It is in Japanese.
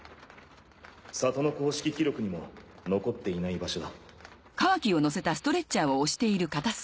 里の公式記録にも残っていない場所だ。